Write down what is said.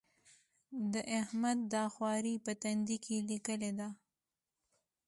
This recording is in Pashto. د احمد دا خواري په تندي کې ليکلې ده.